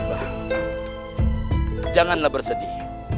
ya allah janganlah bersedih